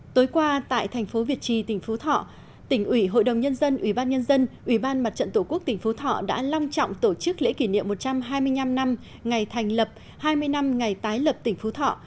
tối qua tại thành phố việt trì tỉnh phú thọ tỉnh ủy hội đồng nhân dân ủy ban nhân dân ủy ban mặt trận tổ quốc tỉnh phú thọ đã long trọng tổ chức lễ kỷ niệm một trăm hai mươi năm năm ngày thành lập hai mươi năm ngày tái lập tỉnh phú thọ